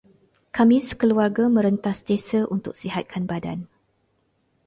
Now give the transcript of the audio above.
Kami sekeluarga merentas desa untuk sihatkan badan.